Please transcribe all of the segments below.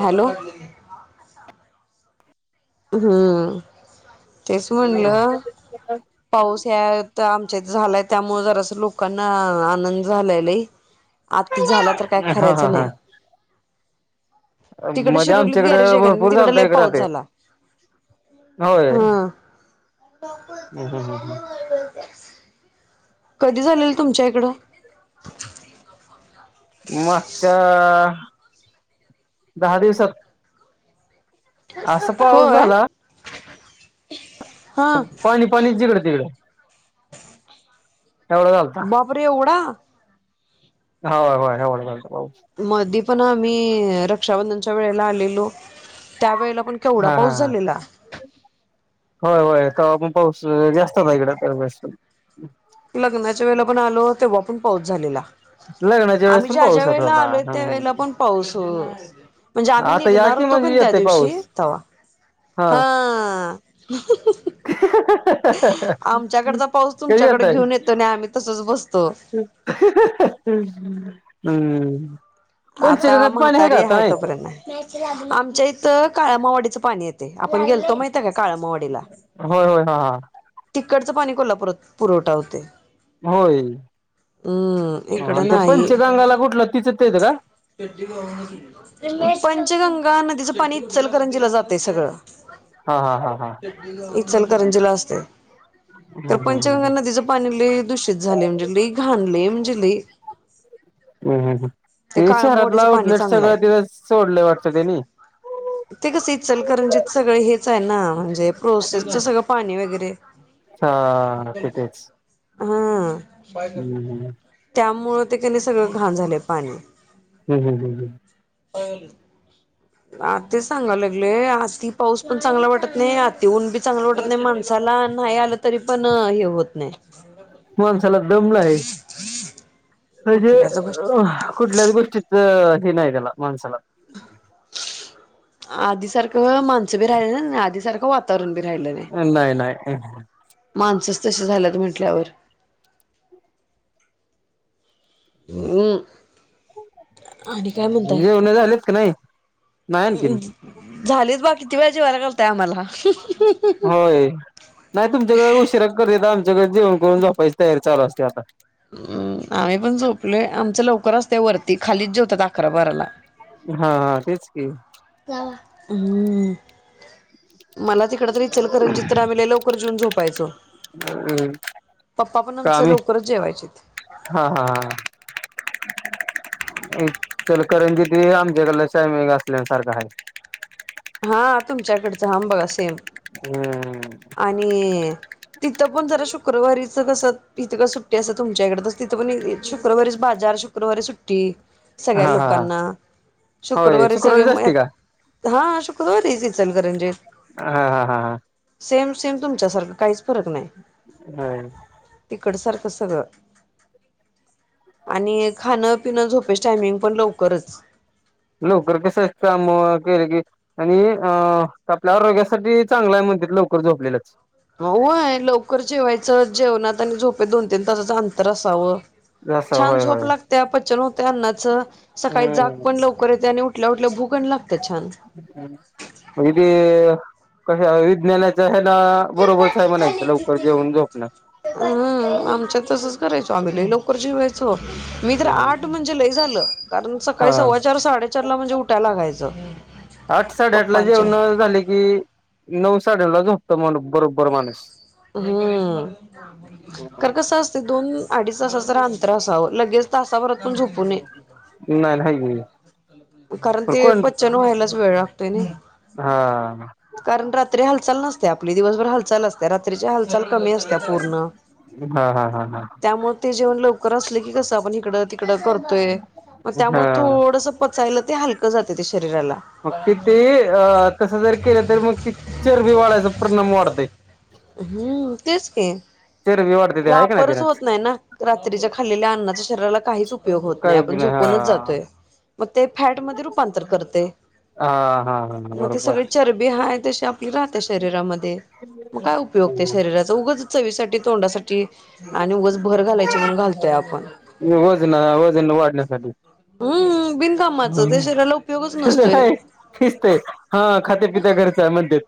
Hello. हम्म तेच म्हणलं पाऊस या तर आम झालाय त्यामुळे जरा अस लोकांना आनंद झाला लय. आति झाला तर काय हा हा खर्याचं नाही. हा तिकडं मध्ये शिरोलीत गॅरेज आमच्याकडं आहे का भरपूर तिकड चालतंय लई एक पाऊस राहते झाला. होय हा. हम्म हम्म हम्म कधी झालेल तुमच्या इकडं. मागच्या दहा दिवसात असा पाऊस होय झाला. हा पाणी पाणी जिकड तिकडं. बापरे एवढा. होय होय होय एवढा झालता. पाऊस मध्ये पण आम्ही रक्षाबंधनच्या वेळेला आलेलो. त्या वेळेला पण केवढा हा हा पाऊस हा झालेला. होय होय तवा पण पाऊस जास्तच आहे इकडे लग्नाच्या वेळेला पण आलो तेव्हा पण पाऊस झालेला. लग्नाच्या वेळेस आम्ही पण ज्या पाऊस ज्या होत वेळेला होता आलोय त्या वेळेला हम्म पण पाऊस म्हणजे आम्ही आता या निघणार की होतो कि म्हणजे नाही त्या येतय दिवशी पाऊस ते्ह हा. [unintelligible] [unintelligible] आमच्याकडचा पाऊस कधी तुमच्याकडे येताय? घेऊन येतो आणि आम्ही तसच बसतो हम्म. आता पंचगंगात पाणी का म्हातारी आता आहे नाही तोपर्यंत आमच्या इथ काळ्या मावडीच पाणी येते. आपण गेलतो माहित आहे का काळमावाडीला होय होय हा हा तिकडचं पाणी कोल्हापुरत पुरवठा होतंय. होय हम्म इकड हा ते नाही. पंचगंगाला कुठलं तिचं तेच का? पंचगंगा नदीचं पाणी ईचलकरंजीला जातय. ते सगळं. हा हा हा हा. ईचलकरंजीला असतय. त्या हम्म हम्म हम्म पंचगंगा नदीच पाणी लय दूषित झालय म्हणजे लय घाण लय. म्हणजे लय. हम् हम ते शहरातला पाणी आउटलेट चांगलं सगळ आहे त्याच्यात सोडलय वाटतं तेनी ते कस इचलकरंजी त सगळ हेच आहे ना म्हणजे प्रोसेसच सगळं पाणी वगैरे हा तिथेच हा हम्म हम्म त्यामुळ प्रत्यिकाने सगळं घाण झालं पाणी हम् हम् हम् ह्. पान आताच सांगाला लागलय आती पाऊस पण चांगला वाटत नाही आत येऊन बी चांगलं वाटत नाही माणसाला नाही आलं तरी पण हे होत नाही. माणसाला दमला आहे. अजे कुठल्याच गोष्टी कुठल्या गोष्टीच नयला मानसला आधी सारखं माणसं बी राहिलं ना आधी सारखं वातावरण बी राहील नाही माणसाच तस झालं त म्हंटल्यावर हम्म, आणि काय म्हणताय जेवण झालेत का नाही? नाही आणखीन [unintelligible] झालेच बा किती वेळा जेवायला घलताय आम्हाला. होय नाही तुमच्याकडे उशिरा करते, तर आमच्याकडे जेवण करून जोपायची तयार चालस हम्म आम्ही पण झोपलो आमच, लवकर असते वरती खालीच जेवतात अकरा बराला. हा हा तेच की जावा हम्म. मला तिकड त रीचलकरंजित रावलेल लवकर जेऊन झोपायचो. पप्पा पण आमचं कामे लवकरच जेवाय हा हा हा. [inaudible] [unintelligible] एक इच करंजीत आमच्याकडला सम असल्यासारखा आहे. जाम बघा सेम हम्म. आणि तिथं पण जरा शुक्रवारी इथ कसं इथं कां सुट्टी असं तुमच्याकडे [unintelligible] तिथं पण शुक्रवारीच बाजार शुक्रवारी सुट्टी सगळ्या हा हा हा लोकांना होय शुक्रवारी सगळे शुक्रवारीच असते का? मयात हा. [unintelligible] इ चल करंजी हा हा हा सेम, सेम तुमच्यासारखं काहीच फरक नाही हा. तिकडसारखं सगळं. आणि खाणं पिण झोपेच टायमिंग पण लवकरच लवकर कस काम केले की आणि अ आपल्या आरोग्यासाठी चांगला म्हण [unintelligible] लवकर झोपलेच होवय लवकर जेवायचं, जेवणात आणि झोपे दोन तीन तासाचं अंतर असावं. ब [unintelligible] छान झोप लागत्या पचन होत्या अन्नाचं, सकाळी जाग हम्म. पण लवकर येते आणि उठल्या, उठल्या भूगण लाग ग छान झ म ते कशा [unintelligible] विज्ञानाच्या हआहे. [unintelligible] बरोबरचय म्हणायचं लवकर जेऊन झोपण. हम आमच्या तसच करायचो, आम्ही लई लवकर जेवायचो. तो मी तर हम्म. आठ म्हणजे लय झालं. कारण हा सकाळी सव्वा चार साडेचार ला म्हणजे उठायला लागायचं. आठ, साडे आठ, ला पप्पांच्या जेवण झाले की नऊ, साडे [unintelligible] लजो त मणू बरोबर माणूस. हम्म कारण कसं असते दोन अडीच तासाच अंतर असावं लगेच तासावररतून झोपू नये. नाही नाही कारण पण ते कोण पचन व्हायलाच वेळ लागतोय नाही. हा. तरी हाल नसते आपली दिवसभर हाल, असते रात्रीच्या हाल चल कमी असल्या, पूर्ण हा हा हा त्यामुळे ते जेवण लवकर असलं की कसं आपण इकडं, तिकडं करतोय म हा त्यामुळे थोडसं [unintelligible] ते हलं जात श मग तिथ अ तसं जर केलं तर मग ति चरबी, वाढायच परिणाम वाढतय. हम्म तेच की चरबी वाढते ते आहे का नाही वापरच त्यानाच होत नाइ ना रात्रीच्या, खालेल्या अन्नाच्या शरीराला. काहीच उपयोग होत नाइ काय आपण बी नाही हा झोपूनच जातोय. मग ते फॅट म रूपांतर, करते हा हा हा म ति बरोबर सगळी, चरबी हाम तश्या ती राहते शरीरामध्ये, मग काय उपयोग त्या शरीराच उगंच चवीसाठी तोंडासाठी आणि उगच भर घालायची म्हणून, घालतोय आपण. वजना वजन वाढण्यासाठी. अम्म बिनकामाच जे शरीराला उपयोग तस नाही [unintelligible] ते हा खात्यापित्या घरचा हाय म्हनते.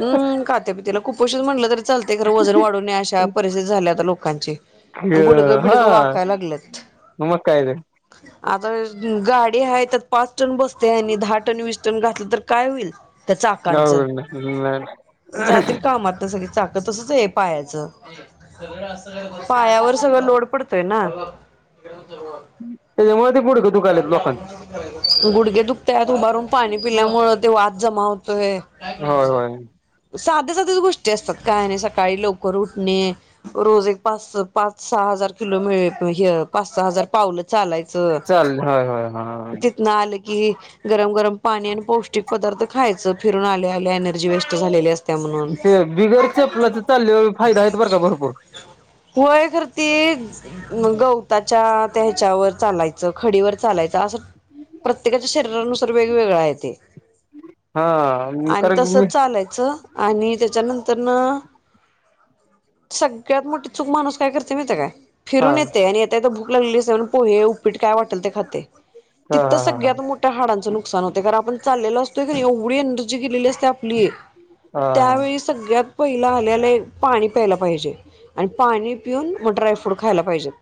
हम्म काात्यापितीला कुपोषित म्हटलं तरी लते खरं वजन वाढू नये अशा परिस्थिती झाल्या आता लोकांची. गुडगं हा बिडगं वाकाय लागल्यात. मग काय ते आता गाडी आहे त्यात पाच टन बसते आणि आणि दहा टन वीस टन घातलं तर काय होईल? त्या चाकांचं [unintelligible] हम्म जातील कामातन सगळी. चाक तसच आय पायाच पायावर सगळं लोड पडतोय ना. [unintelligible] त्याच्यामुळे तें गुडघ दुखाय लेत लोकांचं. गुडगे दुकत्यात उभारून पाणी पिल्यामुळ ते वात जमा होतोय. होय होय. साद्या सादयाच गोष्टी असतात काय नाही सकाळी लवकर उठणे रोज एक पाच पाच सा हजार किलो मि हे पाच सहा हजार पावलं चालायच. चालेल होय होय हा तितन आल की... गरम गरम पाणी आणि पौष्टिक पदार्थ खायचं फिरून आल्या आल्या एनर्जी झालेली असत्या म्हणून ते बिगर चेपलाच चाल्यावर फायद हायत बरं का भरपूर. [unintelligible] गवताच्या, त्या ह्याच्या वार चालणे. खडीवर चालायच असं प्रत्येकाच्या शरीरानुसार वेगवेगळ हाय ते. हा आणि कारण की तस मी चालायचं. आणि त्याच्यानंतरन... सगळ्यात मोटी चूक माणूस काय करतय माहितीय काय? हा फिरून येते आणि येतायेता भूक लागली असे पोहे उपीट हा तिथं हा सगळ्यात मोट हाडांचं नुकसान होतय कारण आपण चाललेलो असतोय कणी एवढी एनर्जी गेलेली असत्या हा [unintelligible] हा त्यावेळी सगळ्या पहिला आल्याले पाणी प्यायला पाहिजे आणि पाणी पिऊन मग ड्रायफ्रूट खायला पाहिजेत.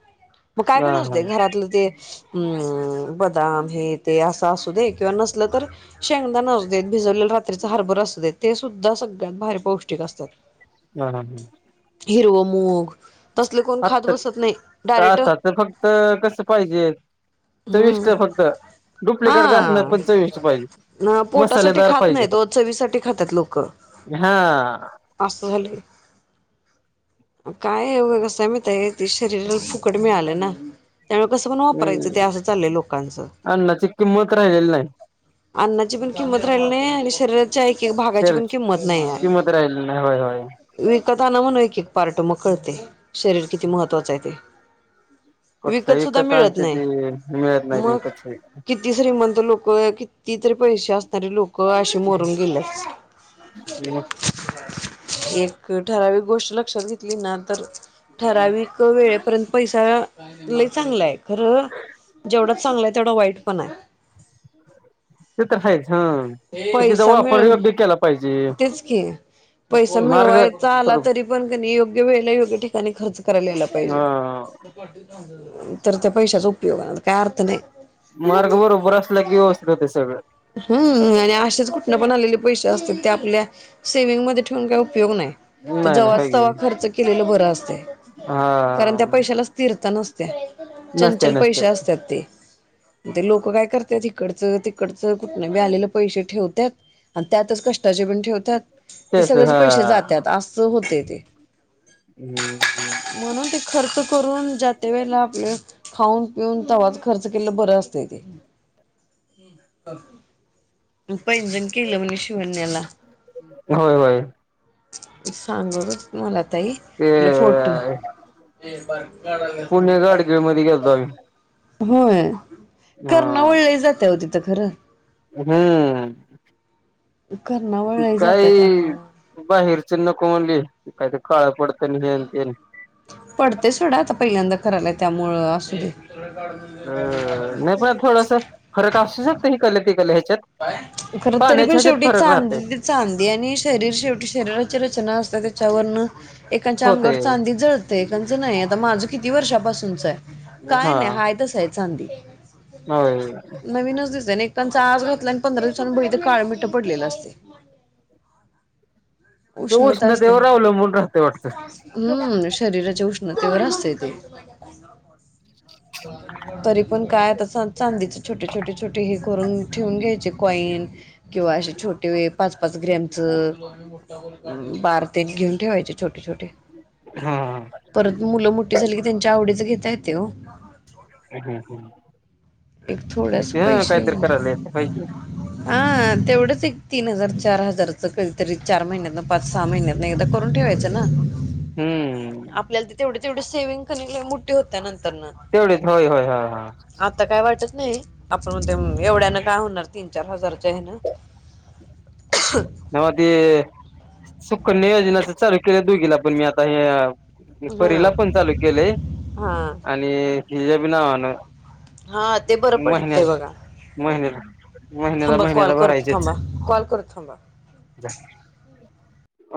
मग काय हा पण हा असुदे घरातलं ते. अम बदाम हे ते अस असू दे किवा नसल तर शेंगदान असुदेत. भिजवलेलं रात्रीच हरभर असूदेत ते सुद्धा [unintelligible] पौष्टिक असतात हा हा हा हिरव मूग. तसले कोण [unintelligible] खात बसत नाही डायरेक्ट फक्त कस पाहिजे? हम्म चविष्ट फक्त डुप्लिकेट का असणात पण चविष्ट पाहिजे. मग पोटासाठी मसालेदार खात नाही पाहिजे तो चवीसाठी खातात लोक. हा. असं झालंय काय हाय कस हाय म्हयती हाय तें शरीराला फुकट मिळलं ना. त्यामुळे कसं पण वापरायचं ते हम्म असं चाललंय लोकांचं. अन्नाची किंमत राहिलेली नाही अन्नाची पण किंमत राहिली नाइ आणि शरीराच्या एक एक भागाची शेर पण किंमत नाइ किंमत राहिलेली नाही होय होय [unintelligible] विकत आना म्हणाव एक एक पार्ट म कळतय शरीर किती महत्वाचं हाय तें. मग [unintelligible] किती श्रीमंत लोक किती तरी पैशे असणारे लोक अशीे मरून गेल्यात. रिकामा ऑडिओ रिकामा ऑडिओ एक ठराविक गोष्ट लक्षात घेतली ना तर ठराविक वेळेपर्यंत पैसा.... लई चांगलंय खरं जेवडाच चांगलंय तेवडा वाईट पण हाय. ते तरयच हा तिचा पैसा मिळ वापरयोग्य केला पाहिजे. तेच की पैसा मार्ग मिळवायचा आला तरी पण क योग्य वेळेला योग्य... खर्च करायलाला हा पायजे परत पैशाचा उप [unintelligible] काय अर्थ नाय. मार्ग बरोबर असला की व्यवसस्थित होतय सगळं. हम् आणि असेच कुठन पण आलेले पैसे असतील ते आपल्या सेवि्हंगमध्ये ठेवून काय उप उपयोग नाय नाही नाही हाय जवच तवा की खर्च केलेलं बर असतय कारण त्या हा पैशाला स्थिरता नस नसते चंचल नसते पैसे असतात ते ते लोक काय करतात इकडच तिकड स कुठंन बी आलेलं पैसे ठेवत्यात आणि त्यातच कष्टाचे पण ठेवत्यात ते तेच सगळेच हा पैसे जातात असं हुतय ते, हम्म म्हणून ते खर्च करून जातय वेळेला आपलं, खाऊन पिऊन तव्हाच खर्च केलं बरं असतंय ते, [inaudible] पैजण केलं मी शिवणी. [inaudible] होय होय. सांगू मला ताई ते आप [unintelligible] फोटो हे ब मु पुणे गाडगीळ मध्ये गेलतो क आम्ही [inaudible] होय हा करणं वळलं [unintelligible] जाते हो तिथ खरं. हम्म. [inaudible] कर्णावळलाही जात्या काही त्यामुळं बाहेरच नको म्हणली कायत काळ पड [inaudible] पडते सोडा आता पहिल्यांदा. कराला [unintelligible] त्यामुळं असू दे. [inaudible] अ ह कले ते गले. खर तरी पण शेवटी राहतय चांदी चांदी आणि शरीर शेवटी शरीराची रचना अस. त्याच्यावर ऐकाच्या अंगावर होतय चांदी जळतेच एकेकांच नाही आता माझं किती. किती वर्षापासूनचय काय हा नाय हाय तस आय चांदी होय [inaudible] नवीनच दिस ना एककांचा आज. आणि पंधरा दिवसांप ते काळ मिठ पडलेलं असते. [inaudible] ते उष्णता असते [inaudible] उष्णतेवर अवलंबून राहतय वाटतं हम्म शरीराची उष्ण तवर असतय ते, [inaudible] तरी पण काय आता चांदीचे छोटे छोटे छोटे हे करून ठेवून घ्यायचे कॉइन किंवा अशे छोटे व [unintelligible] पाच पाच ग्रॅमच बार ते घेऊन ठेवायचे छोटे [unintelligible] छोटे. हा [inaudible] परत मुलं मोठी झाली की त्यांच्या आवडीच घेता येतय ओ. [inaudible] ह [inaudible] एक थोडेस पैसे. काहीतरी करायला येत पाहिजे हा तेवढंच एक तीन हजार चार हजारचं काहीतरी. चार महिन्यातनं पाच सहा महिन्यातन एकदा करून ठेवायचं ना, हम्, तेवढ सेव्हिंग [unintelligible] होत्या नंतर तेवढेच होय होय ह हा आता काय वाटत. नाही [unintelligible] आपण एवढ्यान काय होणार तीन चार हजारच्या हेन. [inaudible] म म ते [inaudible] सुख नियोजनाच चालू केले दुघीला पण मी आता हे. परीला पण हा चालू केले हा [inaudible] आणि हिजबी नावान हा ते बरं [inaudible] पडते महिन्याला बघा महिन्याला महिन्याला थांबा कॉल महिन्याला करत भरायचेच थांबा कॉल करत थांबा. [unintelligible]